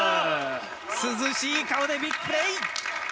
涼しい顔でビッグプレー。